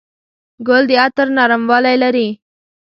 ګل د عطر نرموالی لري.